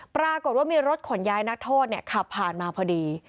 ปรากฏว่ามีรถขนย้ายนักโทษขับผ่านมาพอดี